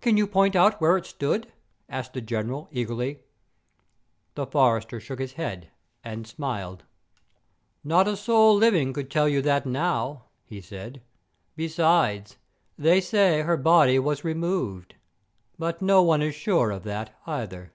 "Can you point out where it stood?" asked the General, eagerly. The forester shook his head, and smiled. "Not a soul living could tell you that now," he said; "besides, they say her body was removed; but no one is sure of that either."